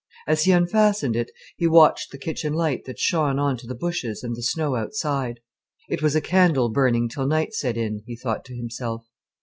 As he unfastened it, he watched the kitchen light that shone on to the bushes and the snow outside. It was a candle burning till night set in, he thought to himself.